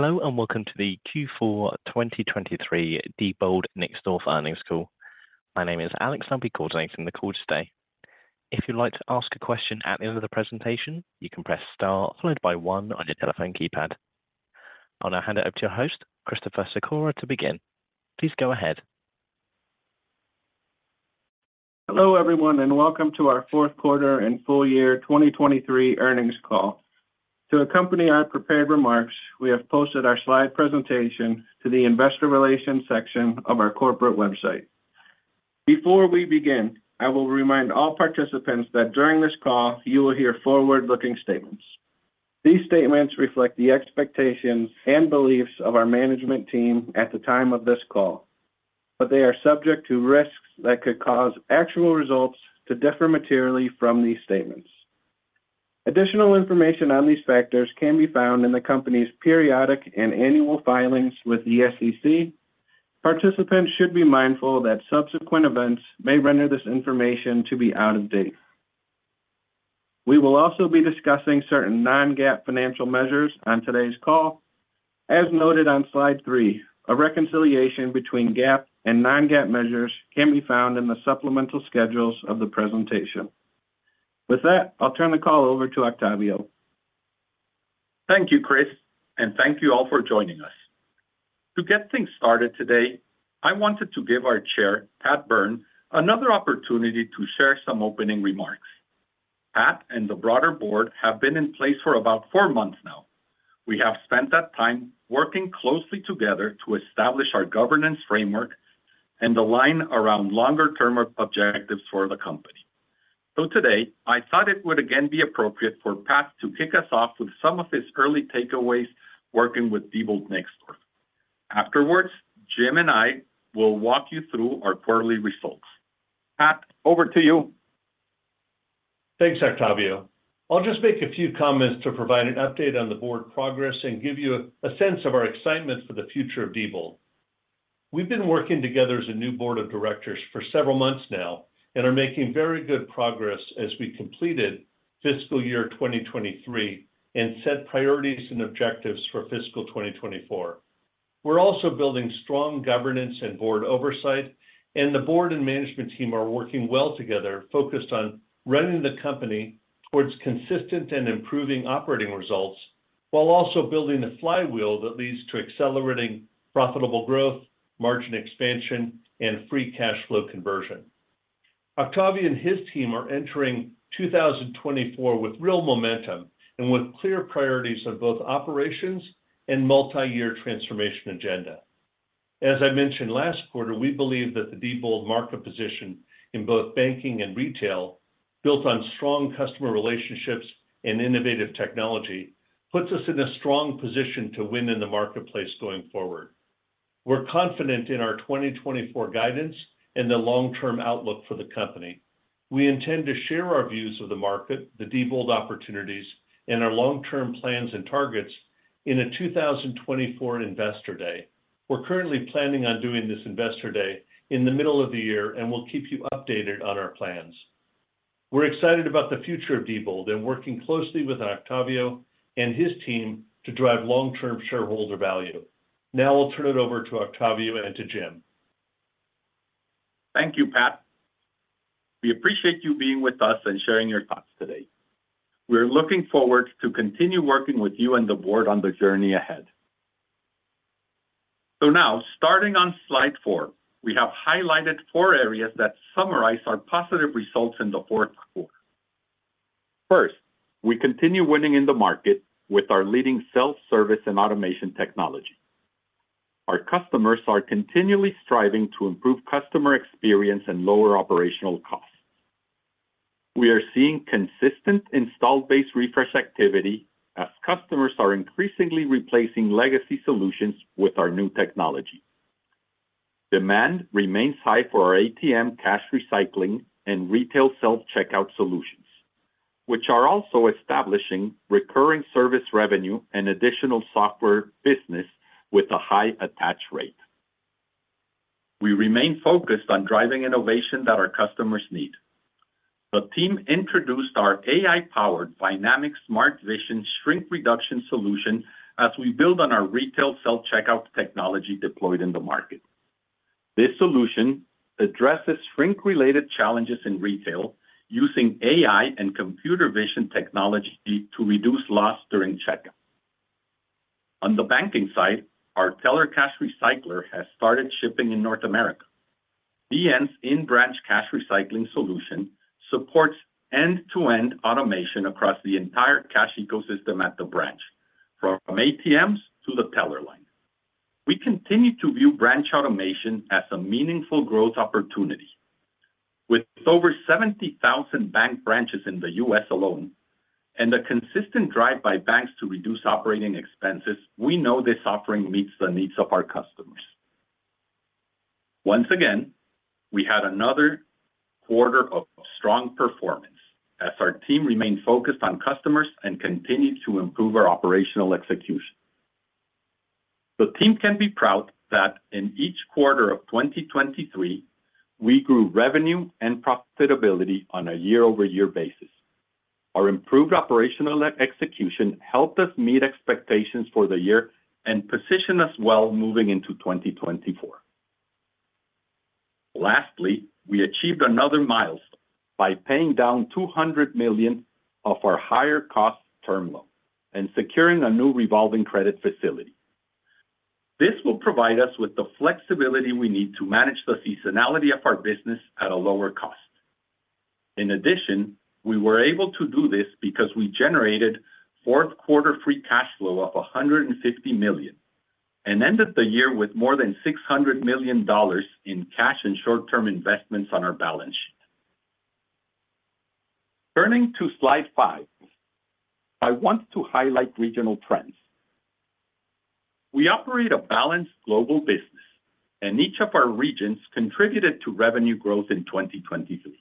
Hello, and welcome to the Q4 2023 Diebold Nixdorf Earnings Call. My name is Alex Lumley, coordinating the call today. If you'd like to ask a question at the end of the presentation, you can press Star followed by one on your telephone keypad. I'll now hand it over to your host, Christopher Sikora, to begin. Please go ahead. Hello, everyone, and welcome to our fourth quarter and full year 2023 earnings call. To accompany our prepared remarks, we have posted our slide presentation to the investor relations section of our corporate website. Before we begin, I will remind all participants that during this call, you will hear forward-looking statements. These statements reflect the expectations and beliefs of our management team at the time of this call, but they are subject to risks that could cause actual results to differ materially from these statements. Additional information on these factors can be found in the company's periodic and annual filings with the SEC. Participants should be mindful that subsequent events may render this information to be out of date. We will also be discussing certain non-GAAP financial measures on today's call. As noted on Slide 3, a reconciliation between GAAP and non-GAAP measures can be found in the supplemental schedules of the presentation. With that, I'll turn the call over to Octavio. Thank you, Chris, and thank you all for joining us. To get things started today, I wanted to give our chair, Pat Byrne, another opportunity to share some opening remarks. Pat and the broader board have been in place for about four months now. We have spent that time working closely together to establish our governance framework and align around longer-term objectives for the company. So today, I thought it would again be appropriate for Pat to kick us off with some of his early takeaways working with Diebold Nixdorf. Afterwards, Jim and I will walk you through our quarterly results. Pat, over to you. Thanks, Octavio. I'll just make a few comments to provide an update on the board progress and give you a sense of our excitement for the future of Diebold. We've been working together as a new board of directors for several months now and are making very good progress as we completed fiscal year 2023, and set priorities and objectives for fiscal 2024. We're also building strong governance and board oversight, and the board and management team are working well together, focused on running the company towards consistent and improving operating results, while also building a flywheel that leads to accelerating profitable growth, margin expansion, and free cash flow conversion. Octavio and his team are entering 2024 with real momentum and with clear priorities of both operations and multi-year transformation agenda. As I mentioned last quarter, we believe that the Diebold market position in both banking and retail, built on strong customer relationships and innovative technology, puts us in a strong position to win in the marketplace going forward. We're confident in our 2024 guidance and the long-term outlook for the company. We intend to share our views of the market, the Diebold opportunities, and our long-term plans and targets in a 2024 Investor Day. We're currently planning on doing this Investor Day in the middle of the year, and we'll keep you updated on our plans. We're excited about the future of Diebold and working closely with Octavio and his team to drive long-term shareholder value. Now I'll turn it over to Octavio and to Jim. Thank you, Pat. We appreciate you being with us and sharing your thoughts today. We are looking forward to continue working with you and the board on the journey ahead. So now, starting on Slide 4, we have highlighted four areas that summarize our positive results in the fourth quarter. First, we continue winning in the market with our leading self-service and automation technology. Our customers are continually striving to improve customer experience and lower operational costs. We are seeing consistent installed base refresh activity as customers are increasingly replacing legacy solutions with our new technology. Demand remains high for our ATM cash recycling and retail self-checkout solutions, which are also establishing recurring service revenue and additional software business with a high attach rate. We remain focused on driving innovation that our customers need. The team introduced our AI-powered Vynamic Smart Vision shrink reduction solution as we build on our retail self-checkout technology deployed in the market. This solution addresses shrink-related challenges in retail using AI and computer vision technology to reduce loss during checkout. On the banking side, our teller cash recycler has started shipping in North America. DN's in-branch cash recycling solution supports end-to-end automation across the entire cash ecosystem at the branch, from ATMs to the teller line. We continue to view branch automation as a meaningful growth opportunity. With over 70,000 bank branches in the U.S. alone and a consistent drive by banks to reduce operating expenses, we know this offering meets the needs of our customers. Once again, we had another quarter of strong performance as our team remained focused on customers and continued to improve our operational execution. The team can be proud that in each quarter of 2023, we grew revenue and profitability on a year-over-year basis. Our improved operational execution helped us meet expectations for the year and positioned us well moving into 2024. Lastly, we achieved another milestone by paying down $200 million of our higher cost term loan and securing a new revolving credit facility. This will provide us with the flexibility we need to manage the seasonality of our business at a lower cost. In addition, we were able to do this because we generated fourth quarter free cash flow of $150 million, and ended the year with more than $600 million in cash and short-term investments on our balance sheet. Turning to Slide 5, I want to highlight regional trends. We operate a balanced global business, and each of our regions contributed to revenue growth in 2023.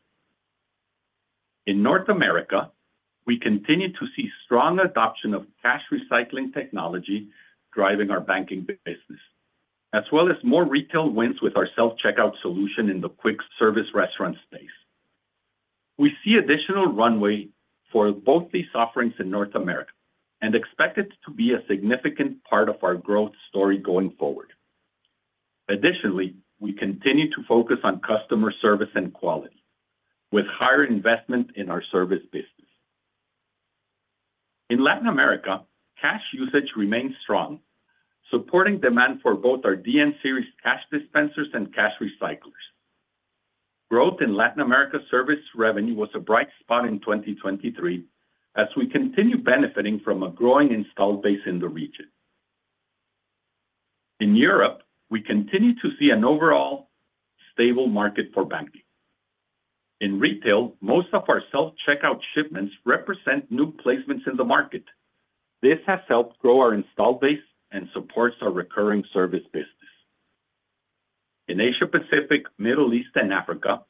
In North America, we continued to see strong adoption of cash recycling technology, driving our banking business, as well as more retail wins with our self-checkout solution in the quick service restaurant space. We see additional runway for both these offerings in North America and expect it to be a significant part of our growth story going forward. Additionally, we continue to focus on customer service and quality, with higher investment in our service business. In Latin America, cash usage remains strong, supporting demand for both our DN Series cash dispensers and cash recyclers. Growth in Latin America service revenue was a bright spot in 2023, as we continue benefiting from a growing installed base in the region. In Europe, we continue to see an overall stable market for banking. In retail, most of our self-checkout shipments represent new placements in the market. This has helped grow our installed base and supports our recurring service business. In Asia Pacific, Middle East, and Africa,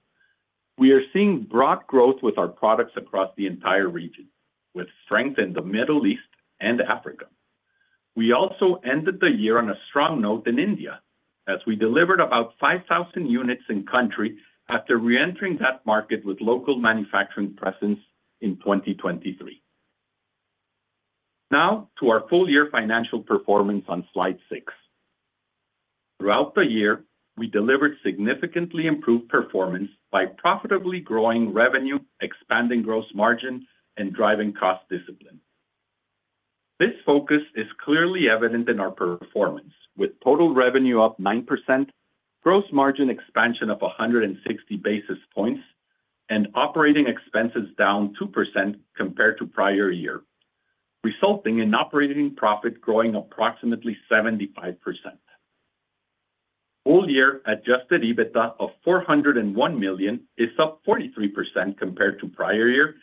we are seeing broad growth with our products across the entire region, with strength in the Middle East and Africa. We also ended the year on a strong note in India, as we delivered about 5,000 units in country after reentering that market with local manufacturing presence in 2023. Now, to our full year financial performance on Slide 6. Throughout the year, we delivered significantly improved performance by profitably growing revenue, expanding gross margin, and driving cost discipline. This focus is clearly evident in our performance, with total revenue up 9%, gross margin expansion of 160 basis points, and operating expenses down 2% compared to prior year, resulting in operating profit growing approximately 75%. Full year Adjusted EBITDA of $401 million is up 43% compared to prior year,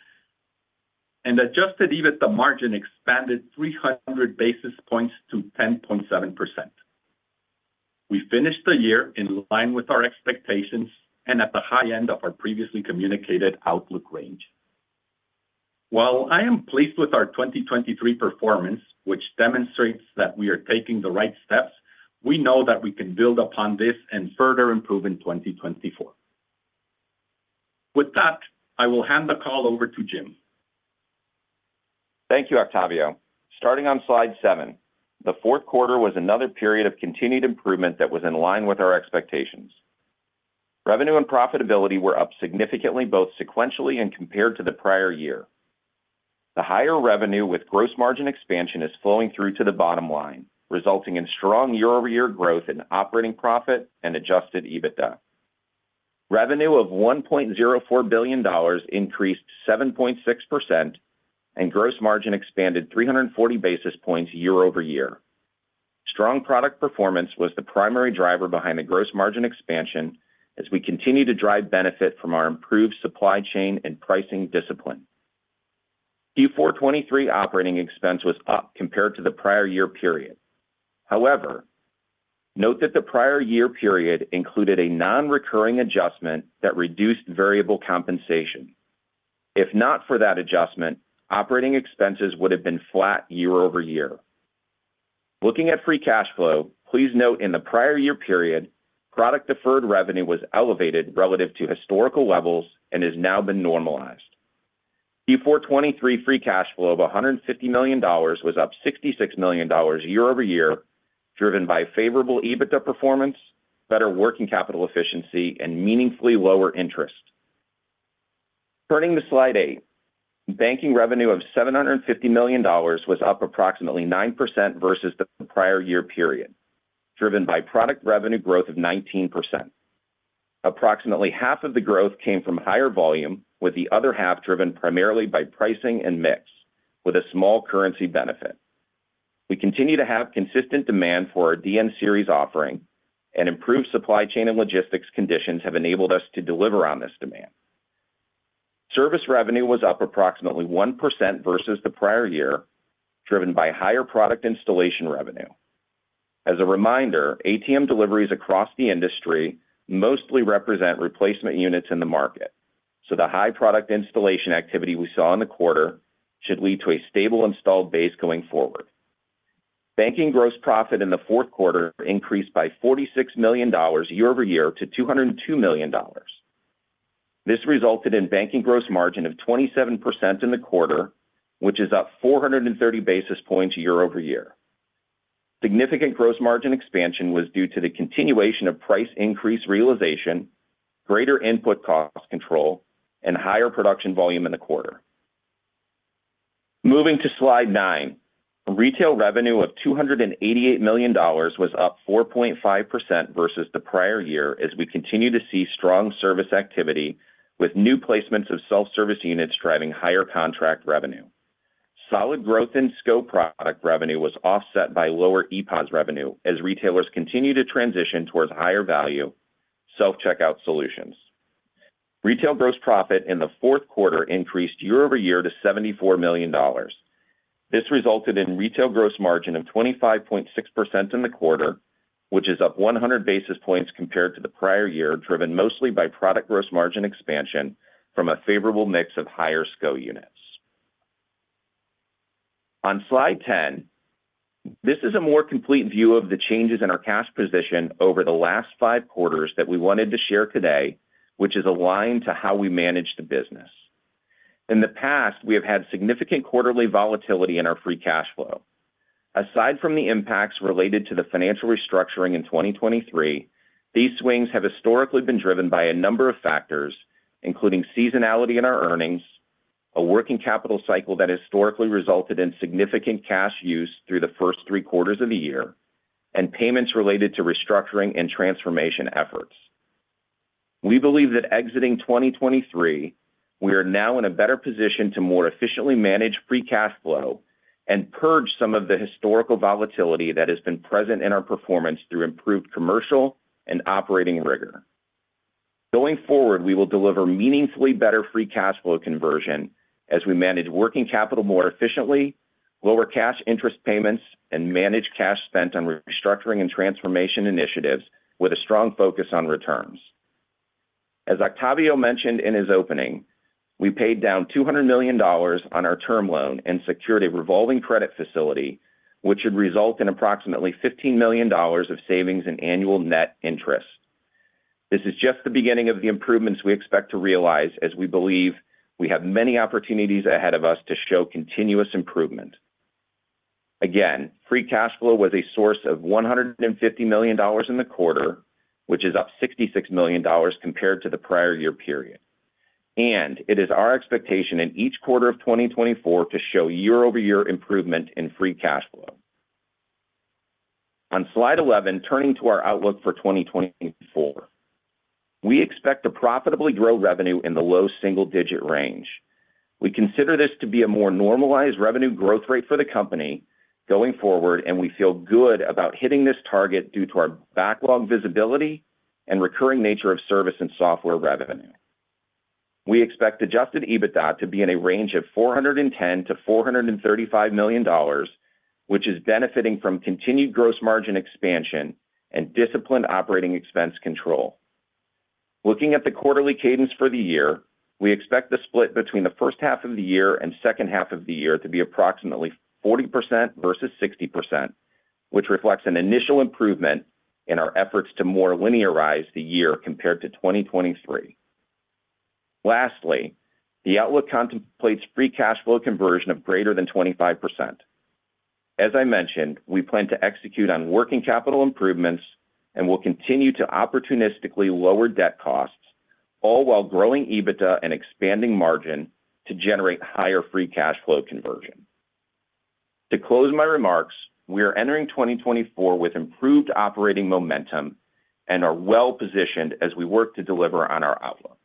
and Adjusted EBITDA margin expanded 300 basis points to 10.7%. We finished the year in line with our expectations and at the high end of our previously communicated outlook range. While I am pleased with our 2023 performance, which demonstrates that we are taking the right steps, we know that we can build upon this and further improve in 2024. With that, I will hand the call over to Jim. Thank you, Octavio. Starting on Slide 7, the fourth quarter was another period of continued improvement that was in line with our expectations. Revenue and profitability were up significantly, both sequentially and compared to the prior year. The higher revenue with gross margin expansion is flowing through to the bottom line, resulting in strong year-over-year growth in operating profit and adjusted EBITDA. Revenue of $1.04 billion increased 7.6%, and gross margin expanded 340 basis points year over year. Strong product performance was the primary driver behind the gross margin expansion as we continue to drive benefit from our improved supply chain and pricing discipline. Q4 2023 operating expense was up compared to the prior year period. However, note that the prior year period included a non-recurring adjustment that reduced variable compensation. If not for that adjustment, operating expenses would have been flat year-over-year. Looking at free cash flow, please note in the prior year period, product deferred revenue was elevated relative to historical levels and has now been normalized. Q4 2023 free cash flow of $150 million was up $66 million year-over-year, driven by favorable EBITDA performance, better working capital efficiency, and meaningfully lower interest. Turning to Slide 8, banking revenue of $750 million was up approximately 9% versus the prior year period, driven by product revenue growth of 19%. Approximately half of the growth came from higher volume, with the other half driven primarily by pricing and mix, with a small currency benefit. We continue to have consistent demand for our DN Series offering, and improved supply chain and logistics conditions have enabled us to deliver on this demand. Service revenue was up approximately 1% versus the prior year, driven by higher product installation revenue. As a reminder, ATM deliveries across the industry mostly represent replacement units in the market, so the high product installation activity we saw in the quarter should lead to a stable installed base going forward. Banking gross profit in the fourth quarter increased by $46 million year-over-year to $202 million. This resulted in banking gross margin of 27% in the quarter, which is up 430 basis points year-over-year. Significant gross margin expansion was due to the continuation of price increase realization, greater input cost control, and higher production volume in the quarter. Moving to Slide 9, retail revenue of $288 million was up 4.5% versus the prior year, as we continue to see strong service activity, with new placements of self-service units driving higher contract revenue. Solid growth in SCO product revenue was offset by lower ePOS revenue, as retailers continue to transition towards higher value self-checkout solutions. Retail gross profit in the fourth quarter increased year-over-year to $74 million. This resulted in retail gross margin of 25.6% in the quarter, which is up 100 basis points compared to the prior year, driven mostly by product gross margin expansion from a favorable mix of higher SCO units. On Slide 10, this is a more complete view of the changes in our cash position over the last five quarters that we wanted to share today, which is aligned to how we manage the business. In the past, we have had significant quarterly volatility in our Free Cash Flow. Aside from the impacts related to the financial restructuring in 2023, these swings have historically been driven by a number of factors, including seasonality in our earnings, a working capital cycle that historically resulted in significant cash use through the first three quarters of the year, and payments related to restructuring and transformation efforts. We believe that exiting 2023, we are now in a better position to more efficiently manage Free Cash Flow and purge some of the historical volatility that has been present in our performance through improved commercial and operating rigor. Going forward, we will deliver meaningfully better free cash flow conversion as we manage working capital more efficiently, lower cash interest payments, and manage cash spent on restructuring and transformation initiatives with a strong focus on returns. As Octavio mentioned in his opening, we paid down $200 million on our term loan and secured a revolving credit facility, which should result in approximately $15 million of savings in annual net interest. This is just the beginning of the improvements we expect to realize, as we believe we have many opportunities ahead of us to show continuous improvement. Again, free cash flow was a source of $150 million in the quarter, which is up $66 million compared to the prior year period. It is our expectation in each quarter of 2024 to show year-over-year improvement in free cash flow. On Slide 11, turning to our outlook for 2024. We expect to profitably grow revenue in the low single-digit range. We consider this to be a more normalized revenue growth rate for the company going forward, and we feel good about hitting this target due to our backlog visibility and recurring nature of service and software revenue. We expect adjusted EBITDA to be in a range of $410 million-$435 million, which is benefiting from continued gross margin expansion and disciplined operating expense control. Looking at the quarterly cadence for the year, we expect the split between the first half of the year and second half of the year to be approximately 40% versus 60%, which reflects an initial improvement in our efforts to more linearize the year compared to 2023. Lastly, the outlook contemplates free cash flow conversion of greater than 25%. As I mentioned, we plan to execute on working capital improvements and will continue to opportunistically lower debt costs, all while growing EBITDA and expanding margin to generate higher free cash flow conversion. To close my remarks, we are entering 2024 with improved operating momentum and are well-positioned as we work to deliver on our outlook.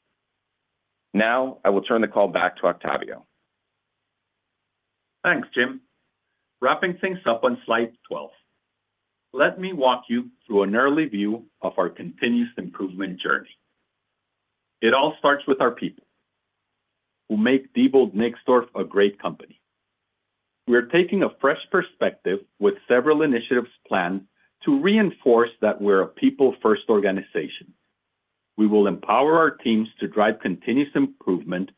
Now, I will turn the call back to Octavio. Thanks, Jim. Wrapping things up on Slide 12. Let me walk you through an early view of our continuous improvement journey. It all starts with our people, who make Diebold Nixdorf a great company. We are taking a fresh perspective with several initiatives planned to reinforce that we're a people-first organization. We will empower our teams to drive continuous improvement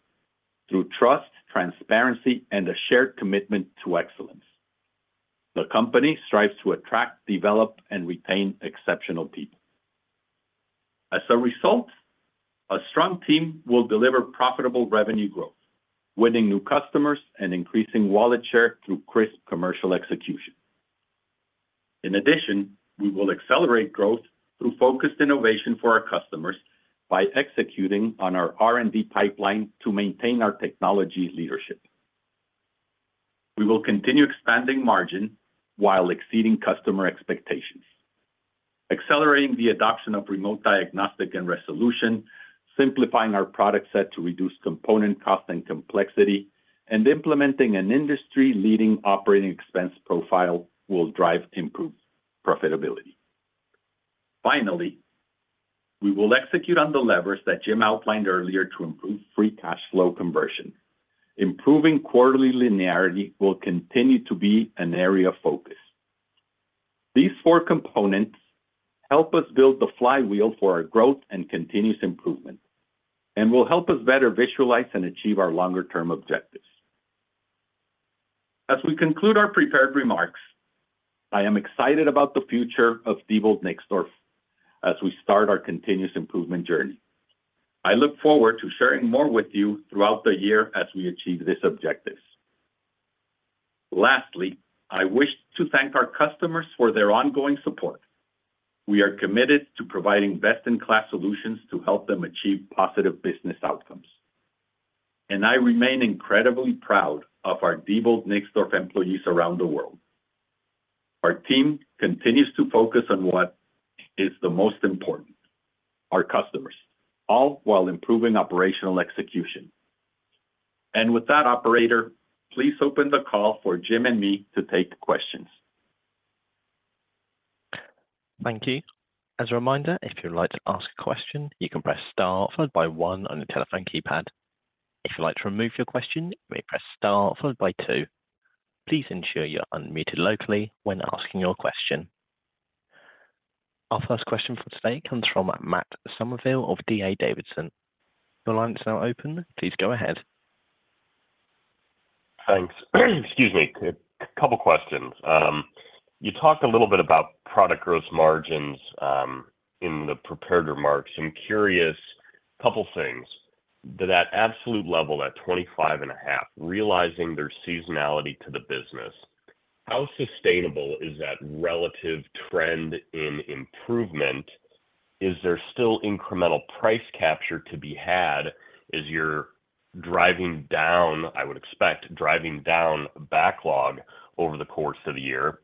through trust, transparency, and a shared commitment to excellence. The company strives to attract, develop, and retain exceptional people. As a result, a strong team will deliver profitable revenue growth, winning new customers and increasing wallet share through crisp commercial execution. In addition, we will accelerate growth through focused innovation for our customers by executing on our R&D pipeline to maintain our technology leadership. We will continue expanding margin while exceeding customer expectations. Accelerating the adoption of remote diagnostic and resolution, simplifying our product set to reduce component cost and complexity, and implementing an industry-leading operating expense profile will drive improved profitability. Finally, we will execute on the levers that Jim outlined earlier to improve free cash flow conversion. Improving quarterly linearity will continue to be an area of focus.... These four components help us build the flywheel for our growth and continuous improvement, and will help us better visualize and achieve our longer-term objectives. As we conclude our prepared remarks, I am excited about the future of Diebold Nixdorf as we start our continuous improvement journey. I look forward to sharing more with you throughout the year as we achieve these objectives. Lastly, I wish to thank our customers for their ongoing support. We are committed to providing best-in-class solutions to help them achieve positive business outcomes, and I remain incredibly proud of our Diebold Nixdorf employees around the world. Our team continues to focus on what is the most important, our customers, all while improving operational execution. With that, operator, please open the call for Jim and me to take questions. Thank you. As a reminder, if you'd like to ask a question, you can press star followed by one on your telephone keypad. If you'd like to remove your question, you may press star followed by two. Please ensure you're unmuted locally when asking your question. Our first question for today comes from Matt Summerville of D.A. Davidson. Your line is now open. Please go ahead. Thanks. Excuse me. A couple questions. You talked a little bit about product gross margins in the prepared remarks. I'm curious, couple things: to that absolute level, that 25.5, realizing there's seasonality to the business, how sustainable is that relative trend in improvement? Is there still incremental price capture to be had as you're driving down, I would expect, driving down backlog over the course of the year?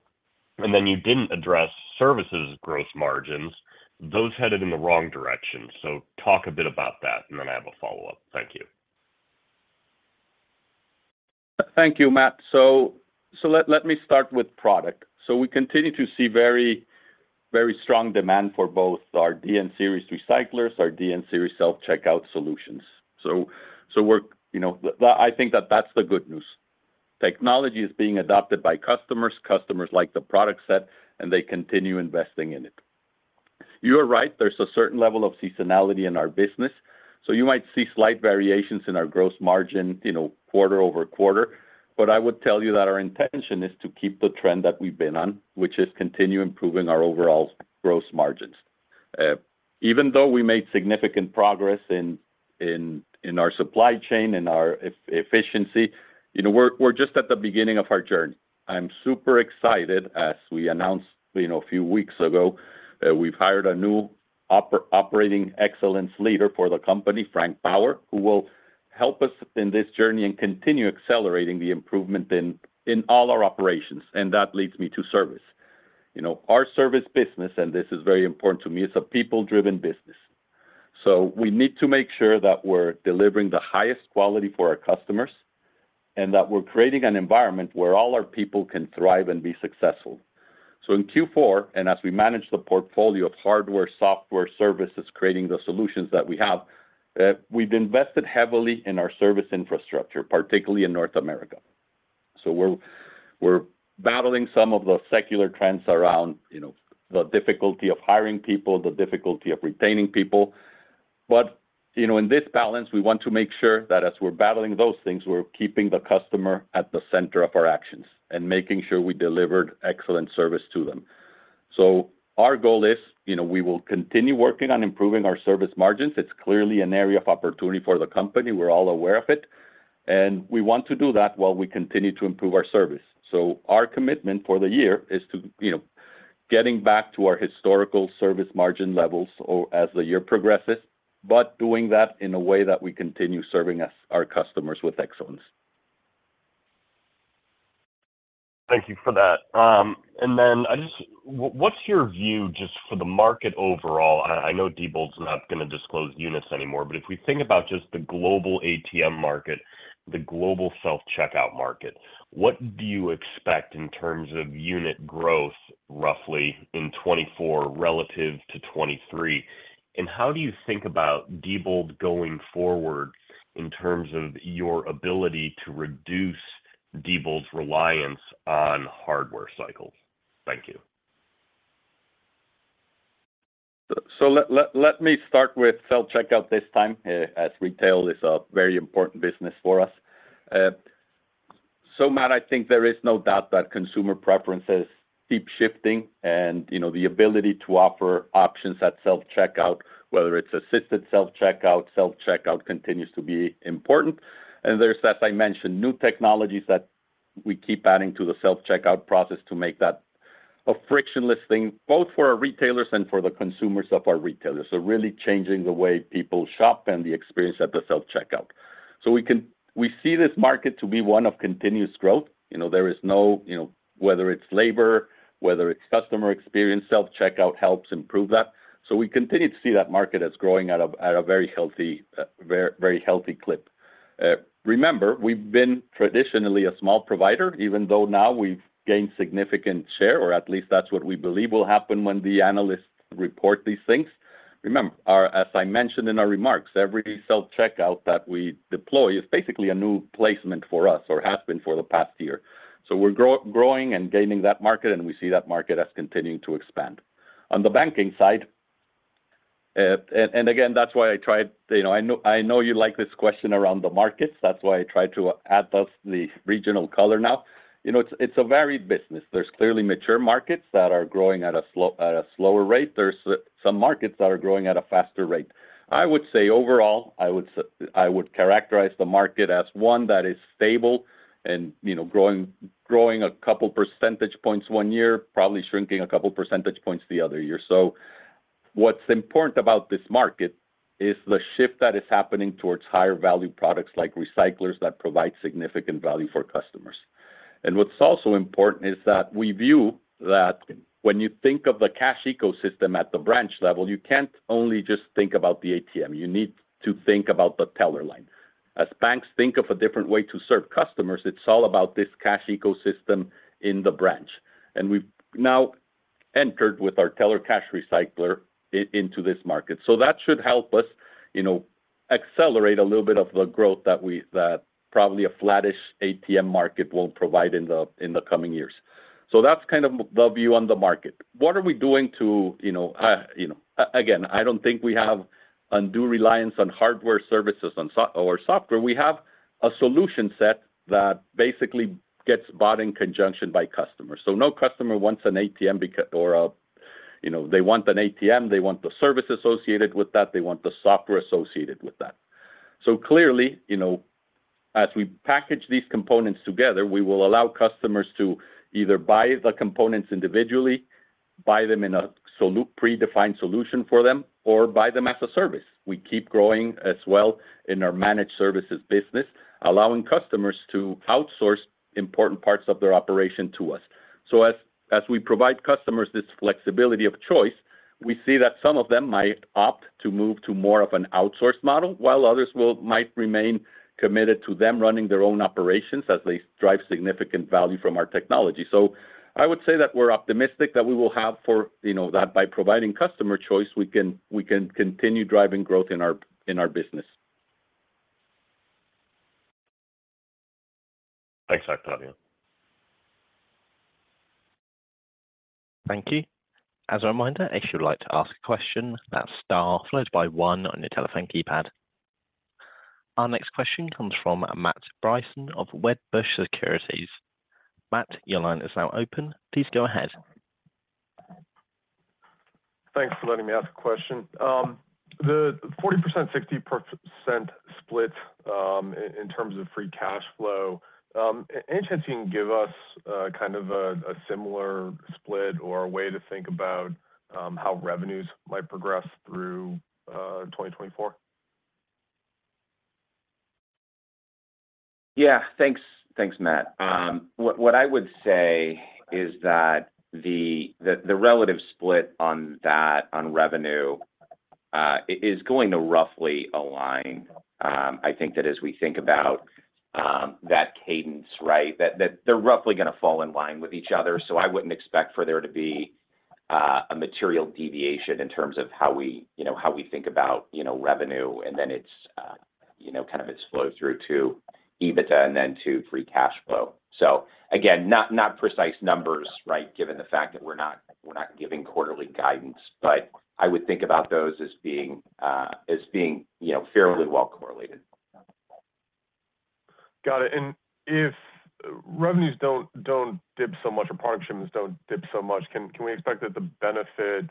And then you didn't address services gross margins, those headed in the wrong direction. So talk a bit about that, and then I have a follow-up. Thank you. Thank you, Matt. So let me start with product. So we continue to see very, very strong demand for both our DN Series recyclers, our DN Series self-checkout solutions. So we're... You know, I think that that's the good news. Technology is being adopted by customers, customers like the product set, and they continue investing in it. You are right, there's a certain level of seasonality in our business, so you might see slight variations in our gross margin, you know, quarter-over-quarter. But I would tell you that our intention is to keep the trend that we've been on, which is continue improving our overall gross margins. Even though we made significant progress in our supply chain and our efficiency, you know, we're just at the beginning of our journey. I'm super excited, as we announced, you know, a few weeks ago, we've hired a new operating excellence leader for the company, Frank Baur, who will help us in this journey and continue accelerating the improvement in all our operations, and that leads me to service. You know, our service business, and this is very important to me, it's a people-driven business, so we need to make sure that we're delivering the highest quality for our customers and that we're creating an environment where all our people can thrive and be successful. So in Q4, and as we manage the portfolio of hardware, software, services, creating the solutions that we have, we've invested heavily in our service infrastructure, particularly in North America. So we're battling some of the secular trends around, you know, the difficulty of hiring people, the difficulty of retaining people. You know, in this balance, we want to make sure that as we're battling those things, we're keeping the customer at the center of our actions and making sure we delivered excellent service to them. So our goal is, you know, we will continue working on improving our service margins. It's clearly an area of opportunity for the company. We're all aware of it, and we want to do that while we continue to improve our service. So our commitment for the year is to, you know, getting back to our historical service margin levels or as the year progresses, but doing that in a way that we continue serving our customers with excellence. Thank you for that. And then I just... What's your view just for the market overall? I know Diebold's not going to disclose units anymore, but if we think about just the global ATM market, the global self-checkout market, what do you expect in terms of unit growth, roughly in 2024 relative to 2023? And how do you think about Diebold going forward in terms of your ability to reduce Diebold's reliance on hardware cycles? Thank you. So let me start with self-checkout this time, as retail is a very important business for us. So Matt, I think there is no doubt that consumer preferences keep shifting and, you know, the ability to offer options at self-checkout, whether it's assisted self-checkout, self-checkout continues to be important. And there's, as I mentioned, new technologies that we keep adding to the self-checkout process to make that a frictionless thing, both for our retailers and for the consumers of our retailers. So really changing the way people shop and the experience at the self-checkout. So we see this market to be one of continuous growth. You know, there is no... You know, whether it's labor, whether it's customer experience, self-checkout helps improve that. So we continue to see that market as growing at a very healthy, very, very healthy clip. Remember, we've been traditionally a small provider, even though now we've gained significant share, or at least that's what we believe will happen when the analysts report these things. Remember, as I mentioned in our remarks, every self-checkout that we deploy is basically a new placement for us or has been for the past year. So we're growing and gaining that market, and we see that market as continuing to expand. On the banking side, and again, that's why I tried. You know, I know, I know you like this question around the markets. That's why I tried to add the regional color now. You know, it's a varied business. There's clearly mature markets that are growing at a slower rate. There's some markets that are growing at a faster rate. I would say overall, I would characterize the market as one that is stable and, you know, growing a couple percentage points one year, probably shrinking a couple percentage points the other year. So what's important about this market is the shift that is happening towards higher value products like recyclers that provide significant value for customers. And what's also important is that we view that when you think of the cash ecosystem at the branch level, you can't only just think about the ATM. You need to think about the teller line. As banks think of a different way to serve customers, it's all about this cash ecosystem in the branch, and we've now entered with our teller cash recycler into this market. So that should help us, you know, accelerate a little bit of the growth that probably a flattish ATM market will provide in the coming years. So that's kind of the view on the market. What are we doing to... You know, you know, again, I don't think we have undue reliance on hardware services on software. We have a solution set that basically gets bought in conjunction by customers. So no customer wants an ATM because or a... You know, they want an ATM, they want the service associated with that, they want the software associated with that. So clearly, you know, as we package these components together, we will allow customers to either buy the components individually, buy them in a predefined solution for them, or buy them as a service. We keep growing as well in our managed services business, allowing customers to outsource important parts of their operation to us. So as we provide customers this flexibility of choice, we see that some of them might opt to move to more of an outsource model, while others might remain committed to them running their own operations as they derive significant value from our technology. So I would say that we're optimistic. You know, that by providing customer choice, we can continue driving growth in our business. Thanks, Octavio. Thank you. As a reminder, if you'd like to ask a question, that's star followed by one on your telephone keypad. Our next question comes from Matt Bryson of Wedbush Securities. Matt, your line is now open. Please go ahead. Thanks for letting me ask a question. The 40%-60% split in terms of free cash flow, any chance you can give us kind of a similar split or a way to think about how revenues might progress through 2024? Yeah. Thanks. Thanks, Matt. What I would say is that the relative split on that on revenue is going to roughly align. I think that as we think about that cadence, right? That they're roughly going to fall in line with each other. So I wouldn't expect for there to be a material deviation in terms of how we, you know, how we think about, you know, revenue, and then it's, you know, kind of its flow through to EBITDA and then to Free Cash Flow. So again, not precise numbers, right? Given the fact that we're not giving quarterly guidance, but I would think about those as being, you know, fairly well correlated. Got it. And if revenues don't dip so much or product shipments don't dip so much, can we expect that the benefit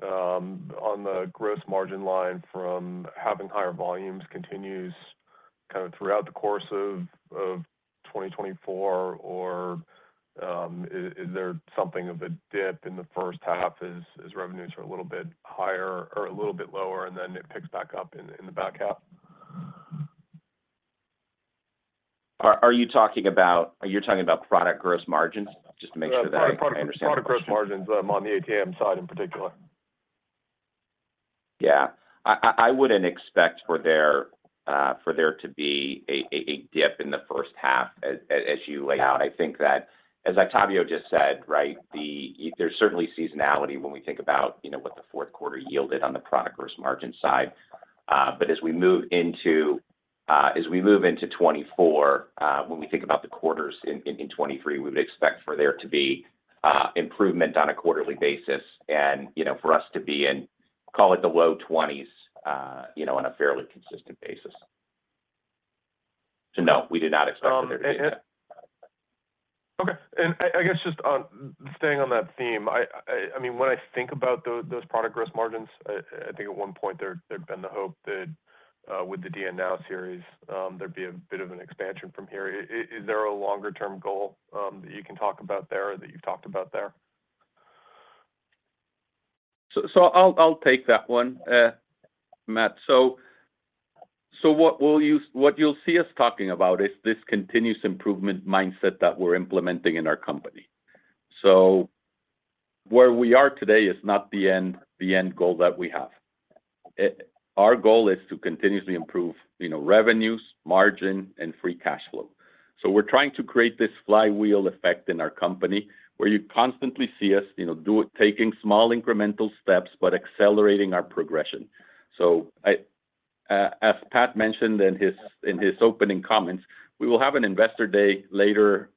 on the gross margin line from having higher volumes continues kind of throughout the course of 2024? Or, is there something of a dip in the first half as revenues are a little bit higher or a little bit lower, and then it picks back up in the back half? Are you talking about product gross margins? Just to make sure that I understand the question. Product gross margins on the ATM side in particular. Yeah. I wouldn't expect for there to be a dip in the first half as you lay out. I think that, as Octavio just said, right? There's certainly seasonality when we think about, you know, what the fourth quarter yielded on the product gross margin side. But as we move into 2024, when we think about the quarters in 2023, we would expect for there to be improvement on a quarterly basis and, you know, for us to be in, call it the low 20s, you know, on a fairly consistent basis. So no, we do not expect for there to be that. Okay. I guess, just on staying on that theme, I mean, when I think about those product gross margins, I think at one point there'd been the hope that with the DN Series, there'd be a bit of an expansion from here. Is there a longer-term goal that you can talk about there or that you've talked about there? So I'll take that one, Matt. So what you'll see us talking about is this continuous improvement mindset that we're implementing in our company. So where we are today is not the end, the end goal that we have. Our goal is to continuously improve, you know, revenues, margin, and free cash flow. So we're trying to create this flywheel effect in our company where you constantly see us, you know, do it, taking small incremental steps, but accelerating our progression. So as Pat mentioned in his opening comments, we will have an investor day later,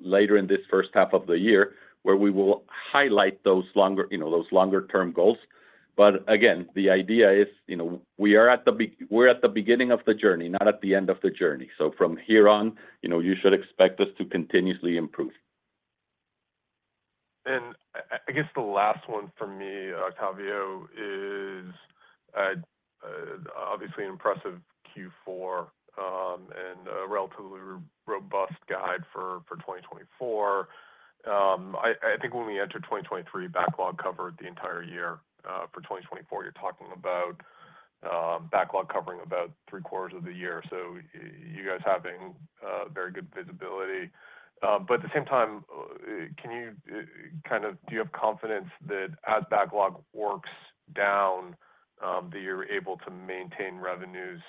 later in this first half of the year, where we will highlight those longer, you know, those longer term goals. But again, the idea is, you know, we are at the beginning of the journey, not at the end of the journey. So from here on, you know, you should expect us to continuously improve. I guess the last one for me, Octavio, is obviously an impressive Q4 and a relatively robust guide for 2024. I think when we entered 2023, backlog covered the entire year. For 2024, you're talking about backlog covering about three quarters of the year, so you guys having very good visibility. But at the same time, can you kind of... Do you have confidence that as backlog works down, that you're able to maintain revenues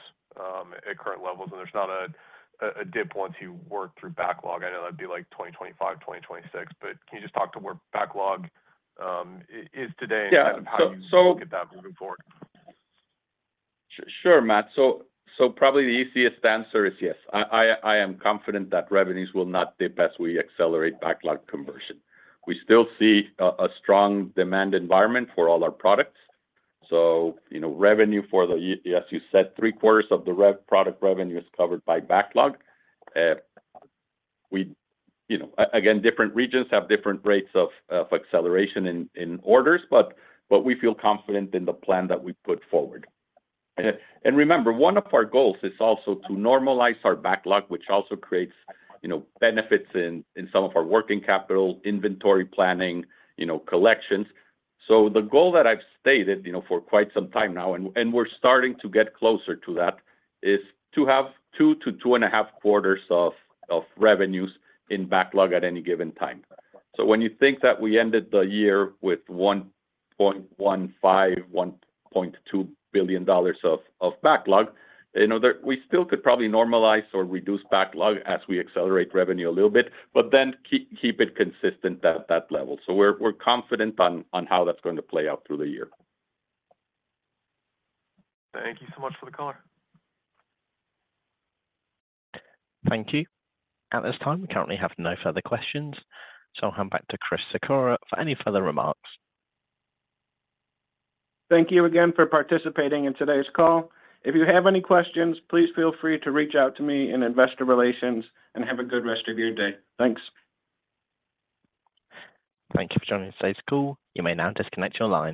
at current levels, and there's not a dip once you work through backlog? I know that'd be like 2025, 2026, but can you just talk to where backlog is today- Yeah And how you look at that moving forward? Sure, Matt. So, probably the easiest answer is yes. I am confident that revenues will not dip as we accelerate backlog conversion. We still see a strong demand environment for all our products, so you know, revenue, as you said, three quarters of the product revenue is covered by backlog. You know, again, different regions have different rates of acceleration in orders, but we feel confident in the plan that we put forward. And remember, one of our goals is also to normalize our backlog, which also creates, you know, benefits in some of our working capital, inventory planning, you know, collections. So the goal that I've stated, you know, for quite some time now, and we're starting to get closer to that, is to have 2 to 2.5 quarters of revenues in backlog at any given time. So when you think that we ended the year with $1.15-$1.2 billion of backlog, you know, we still could probably normalize or reduce backlog as we accelerate revenue a little bit, but then keep it consistent at that level. So we're confident on how that's going to play out through the year. Thank you so much for the call. Thank you. At this time, we currently have no further questions, so I'll hand back to Chris Sikora for any further remarks. Thank you again for participating in today's call. If you have any questions, please feel free to reach out to me in investor relations, and have a good rest of your day. Thanks. Thank you for joining today's call. You may now disconnect your line.